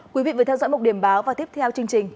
quý vị vừa theo dõi một điểm báo và tiếp theo chương trình